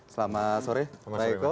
selamat sore pak eko